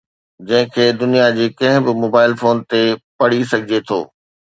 جنهن کي دنيا جي ڪنهن به موبائيل فون تي پڙهي سگهجي ٿو